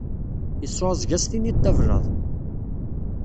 Yeɛɛuẓẓeg ad s-tiniḍ d ablaḍ.